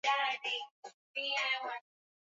Kuna watu wameitwa, wamepakwa mafuta.